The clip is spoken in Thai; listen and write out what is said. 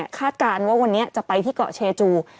การณ์ว่าวันนี้จะไปที่เกาะเชจู